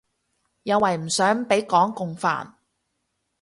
因為唔想畀港共煩